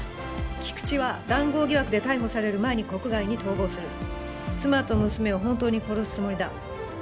菊知は談合疑惑で逮捕される前に国外に逃亡する妻と娘を本当に殺すつもりだ